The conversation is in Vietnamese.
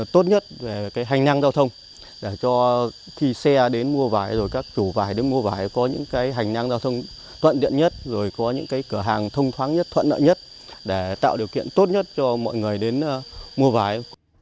tốt nhất về cái hành năng giao thông để cho khi xe đến mua vải rồi các chủ vải đến mua vải có những cái hành năng giao thông thuận điện nhất rồi có những cái cửa hàng thông thoáng nhất thuận nợ nhất để tạo điều kiện tốt nhất cho mọi người đến mua vải